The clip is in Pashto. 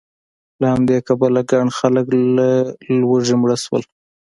له همدې کبله ګڼ خلک له لوږې مړه شول